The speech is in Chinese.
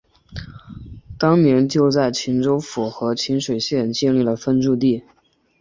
当年就在沂州府和沂水县建立了分驻地。